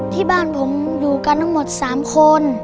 ที่บ้านผมอยู่กันทั้งหมด๓คน